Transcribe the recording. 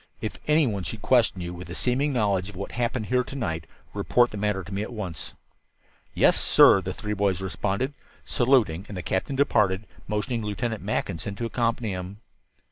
If any one should question you, with a seeming knowledge of what happened here to night, report the matter to me at once." "Yes, sir," the three boys responded, saluting, and the captain departed, motioning Lieutenant Mackinson to accompany him.